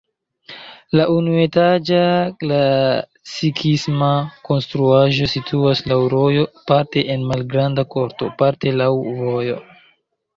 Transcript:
La unuetaĝa klasikisma konstruaĵo situas laŭ rojo parte en malgranda korto, parte laŭ vojo.